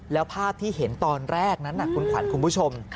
แล้วภาพที่เห็นตอนแรกนั้นคุณขวัญคุณผู้ชม